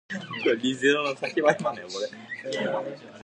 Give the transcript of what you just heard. The heel Tonga was managed by former wrestler Tarzan "The Boot" Tyler.